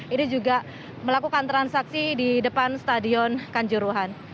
ini juga melakukan transaksi di depan stadion kanjuruhan